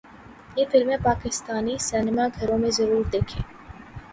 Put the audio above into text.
یہ فلمیں پاکستانی سینما گھروں میں ضرور دیکھیں